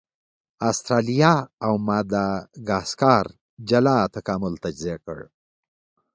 استرالیا او ماداګاسکار جلا تکامل تجربه کړ.